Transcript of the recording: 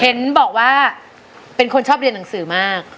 เห็นบอกว่าเป็นคนชอบเรียนหนังสือมาก